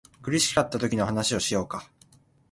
苦しかったときの話をしようか